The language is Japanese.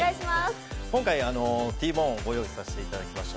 今回、Ｔボーンをご用意させていただきました。